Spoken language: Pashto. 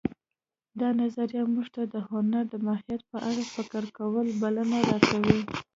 دا نظریه موږ ته د هنر د ماهیت په اړه فکر کولو بلنه راکوي